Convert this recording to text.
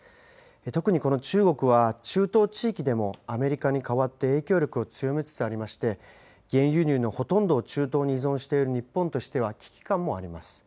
特にこの中国は、中東地域でもアメリカに代わって影響力を強めつつありまして、原油輸入のほとんどを中東に依存している日本としては危機感もあります。